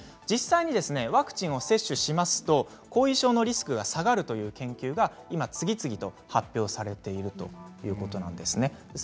実際にワクチンを接種しますと後遺症のリスクが下がるという研究が今、次々と発表されているということなんですね。